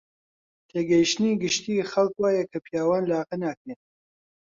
تێگەیشتنی گشتیی خەڵکی وایە کە پیاوان لاقە ناکرێن